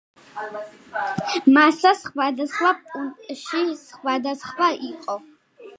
მასა სხვადასხვა პუნქტში სხვადასხვა იყო.